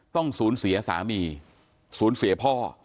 ต้องศูนย์เสียสามีศูนย์เสียพ่อ